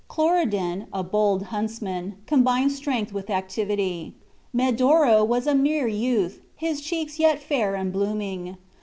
Cloridan, a bold huntsman, combined strength with activity. Medoro was a mere youth, his cheeks yet fair and blooming.